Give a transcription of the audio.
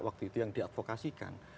waktu itu yang diavokasikan